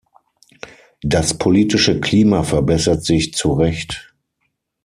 Das politische Klima verbessert sich zu Recht.